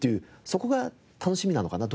そこが楽しみなのかな。